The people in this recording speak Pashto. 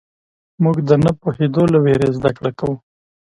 موږ د نه پوهېدو له وېرې زدهکړه کوو.